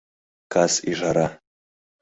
Кас ӱжара